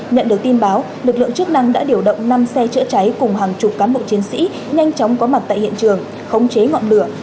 nhận được tin báo lực lượng chức năng đã điều động năm xe chữa cháy cùng hàng chục cán bộ chiến sĩ nhanh chóng có mặt tại hiện trường khống chế ngọn lửa